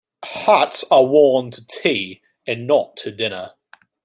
Hats are worn to tea and not to dinner.